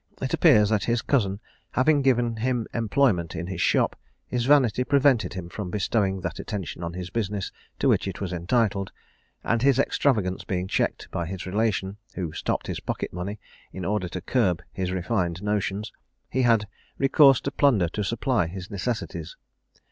It appears, that his cousin having given him employment in his shop, his vanity prevented him from bestowing that attention on his business to which it was entitled; and his extravagance being checked by his relation, who stopped his pocket money in order to curb his refined notions, he had recourse to plunder to supply his necessities.